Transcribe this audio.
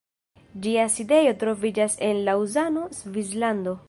Ĝia sidejo troviĝas en Laŭzano, Svislando.